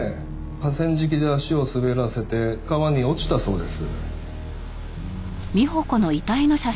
河川敷で足を滑らせて川に落ちたそうです。